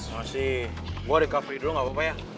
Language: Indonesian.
masih gue recovery dulu gak apa apa ya